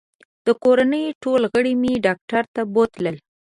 د کورنۍ ټول غړي مې ډاکټر ته بوتلل